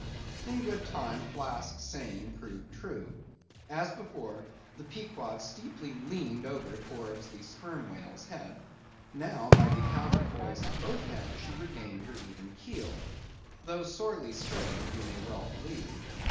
In good time, Flask's saying proved true. As before, the Pequod steeply leaned over towards the sperm whale's head, now, by the counterpoise of both heads, she regained her even keel; though sorely strained, you may well believe.